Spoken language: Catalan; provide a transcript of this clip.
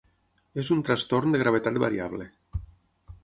És un trastorn de gravetat variable.